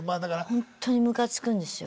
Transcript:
ほんとにムカつくんですよ